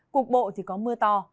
cục bộ thì có mưa to